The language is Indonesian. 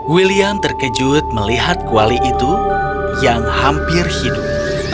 william terkejut melihat kuali itu yang hampir hidup